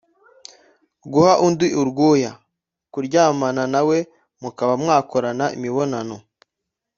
guha undi urwuya: kuryamana na we mukaba mwakorana imibonano